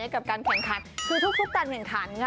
กับการแข่งขันคือทุกตันเหมือนฐาน